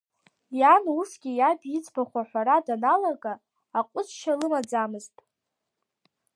Иан усгьы иаб иӡбахә аҳәара даналага аҟәыҵшьа лымаӡамызт.